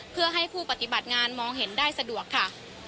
เพื่อให้ผู้ปฏิบัติงานมองเห็นได้สะดวกค่ะ